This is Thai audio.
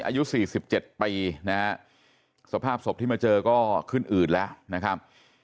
อายุสี่สิบเจ็ดปีนะฮะสภาพศพที่มาเจอก็ขึ้นอืดแล้วนะครับ